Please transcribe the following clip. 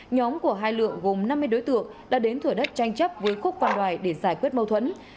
nhóm của hai lượng gồm năm mươi đối tượng đã đến thửa đất tranh chấp với cúc văn để giải quyết mâu thuẫn